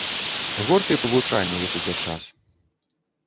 Горка і павучальна, як ідзе час.